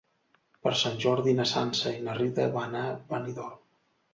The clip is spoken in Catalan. Per Sant Jordi na Sança i na Rita van a Benidorm.